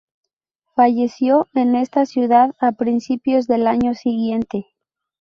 Falleció en esa ciudad a principios del año siguiente.